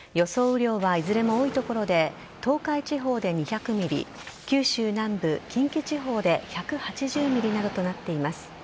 雨量は、いずれも多い所で東海地方で２００ｍｍ九州南部、近畿地方で１８０ｍｍなどとなっています。